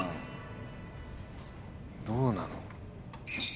どうなの？